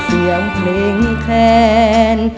เอาเสียงเพลงแขน